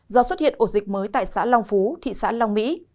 do xuất hiện ổ dịch mới tại xã long phú thị xã long mỹ